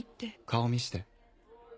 顔見して。